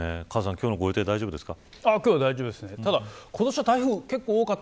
今日のご予定大丈夫ですか。